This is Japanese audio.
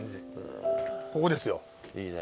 ここですよ。いいねえ。